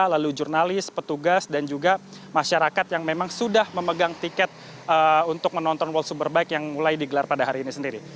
lalu jurnalis petugas dan juga masyarakat yang memang sudah memegang tiket untuk menonton world superbike yang mulai digelar pada hari ini sendiri